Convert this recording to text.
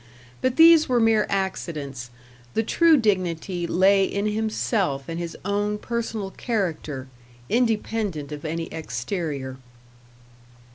But these were mere accidents; the true dignity lay in himself and his own personal character, independent of any exterior.